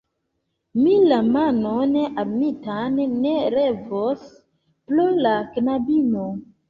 Mi la manon armitan ne levos pro la knabino.